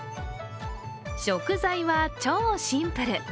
食材は超シンプル。